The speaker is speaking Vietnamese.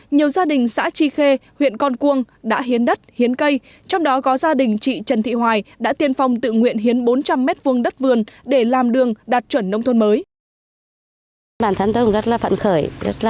nhiều gia đình xã tri khê huyện con cuông đã hiến đất hiến cây trong đó có gia đình chị trần thị hoài đã tiên phong tự nguyện hiến bốn trăm linh m hai đất vườn để làm đường đạt chuẩn nông thôn mới